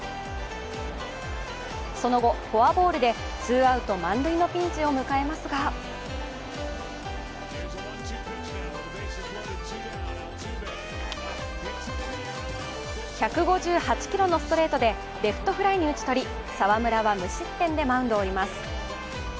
その後、フォアボールでツーアウト満塁のピンチを迎えますが１５８キロのストレートでレフトフライに打ち取り、澤村は無失点でマウンドを降ります。